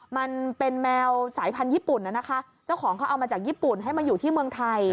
มันเป็นแมวสายพันธุ์ญี่ปุ่นนะคะเจ้าของเขาเอามาจากญี่ปุ่นให้มาอยู่ที่เมืองไทย